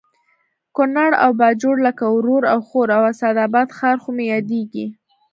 کونړ او باجوړ لکه ورور او خور او اسداباد ښار خو مې یادېږي